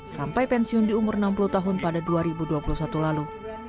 sampai pensiun di umur enam puluh tahun pada dua ribu dua puluh satu lalu